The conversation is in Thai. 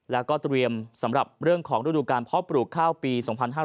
แล้วก็เตรียมสำหรับเรื่องของฤดูการเพาะปลูกข้าวปี๒๕๕๙